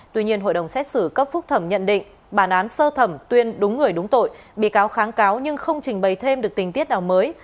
tuy nhiên hội đồng xét xử cấp phúc thẩm nhận định bản án sơ thẩm tuyên đúng người đúng tội bị cáo kháng cáo nhưng không trình bày thêm được tình tiết nào mới